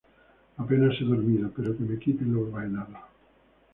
Apenas he dormido pero que me quiten lo bailado